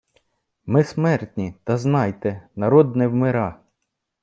Ми смертні, Та знайте: народ не вмира